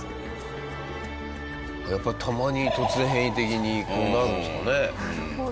やっぱりたまに突然変異的にこうなるんですかね。